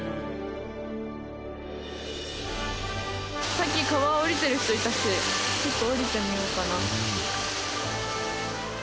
さっき川下りてる人いたしちょっと下りてみようかな。